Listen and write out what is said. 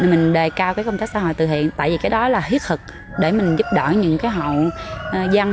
mình đề cao cái công tác xã hội tự hiện tại vì cái đó là huyết thực để mình giúp đỡ những hậu dân